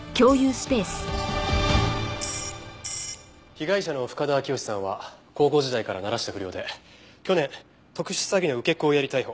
被害者の深田明良さんは高校時代から鳴らした不良で去年特殊詐欺の受け子をやり逮捕。